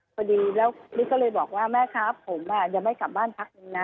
พอดีแล้วนิดก็เลยบอกว่าแม่ครับผมยังไม่กลับบ้านพักนึงนะ